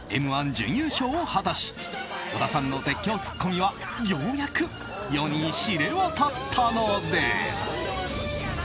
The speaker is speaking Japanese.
「Ｍ‐１」準優勝を果たし小田さんの絶叫ツッコミはようやく世に知れ渡ったのです。